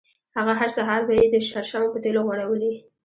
هغه هر سهار به یې د شرشمو په تېلو غوړولې.